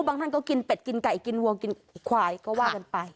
บางท่านก็กินเป็ดกินไก่กินวัวกินควายก็ว่ากันไป